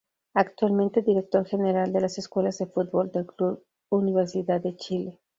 Actualmente director general de las escuelas de fútbol del club Universidad de Chile.